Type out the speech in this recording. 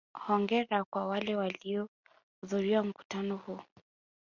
Hongera kwa wale walihudhuria mkutano huu.